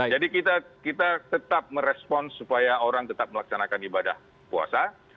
jadi kita tetap merespons supaya orang tetap melaksanakan ibadah puasa